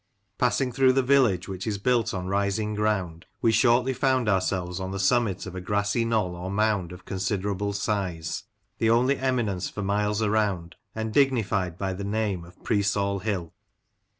Passing through the village, which is built on rising groimd, we shortly found ourselves on the summit of a The Gull Moss. 43 grassy knoll or mound of considerable size, the only emi nence for miles around, and dignified by the name of " Preesall Hill."